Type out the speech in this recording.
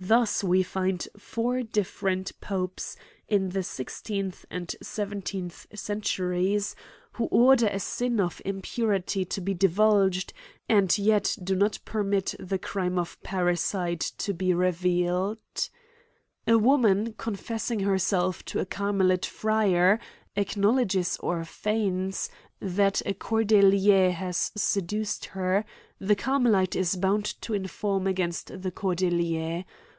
Thus we find four different popes, in the sixteenth and seventeenth centuries, who order a sin of impu rity to be divulged, and yet do not permit the crime CRIMES AND PUNISHMENTS. 215 of parricide to be revealed. A woman, confessing herself to a carmelite friar, acknowledges or feigns, that a cordelier has seduced her ; the carmelite is bound to inform against the cordelier.